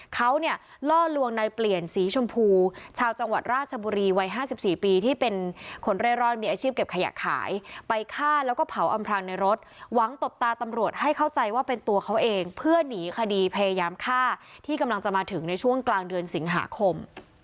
เขาเนี่ยล่อลวงในเปลี่ยนสีชมพูชาวจังหวัดราชบุรีวัย๕๔ปีที่เป็นคนเร่ร่อนมีอาชีพเก็บขยะขายไปฆ่าแล้วก็เผาอำพรางในรถหวังตบตาตำรวจให้เข้าใจว่าเป็นตัวเขาเองเพื่อหนีคดีพยายามฆ่าที่กำลังจะมาถึงในช่วงกลางเดือนสิงหาคม